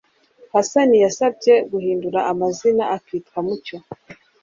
Hassan yasabye guhindura amazina akitwa Mucyo